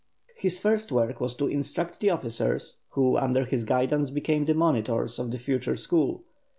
His first work was to instruct the officers, who under his guidance became the monitors of the future school.